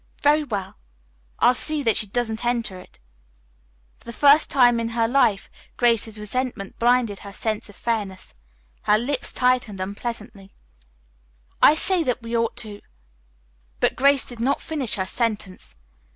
Very well. I'll see that she doesn't enter it." For the first time in her life Grace's resentment blinded her sense of fairness. Her lips tightened unpleasantly. "I say that we ought to " But Grace did not finish her sentence.